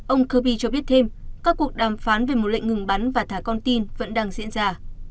ông kirby cho biết thêm các cuộc đàm phán về một lệnh ngừng bắn và thả con tin vẫn đang diễn ra